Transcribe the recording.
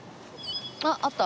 あっあった。